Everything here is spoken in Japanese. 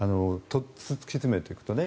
突き詰めていくとね。